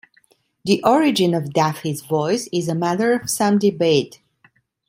The origin of Daffy's voice is a matter of some debate.